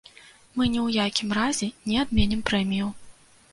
Мы ні ў якім разе не адменім прэмію.